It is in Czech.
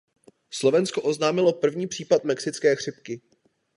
Slovensko oznámilo první případ mexické chřipky.